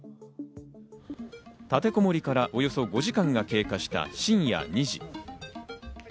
立てこもりからおよそ５時間が経過した深夜２時。